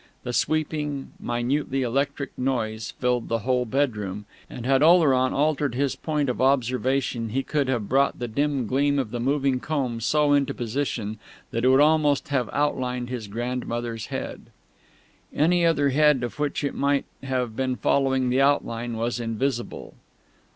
The sweeping, minutely electric noise filled the whole bedroom, and had Oleron altered his point of observation he could have brought the dim gleam of the moving comb so into position that it would almost have outlined his grandmother's head. Any other head of which it might have been following the outline was invisible.